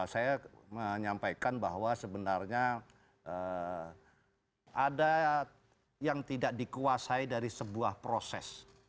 saya menyampaikan bahwa sebenarnya ada yang tidak dikuasai dari sebuah proses